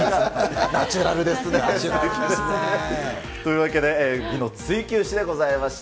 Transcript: ナチュラルですね。というわけで、美の追求史でございました。